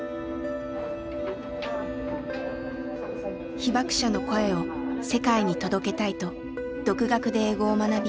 被爆者の声を世界に届けたいと独学で英語を学び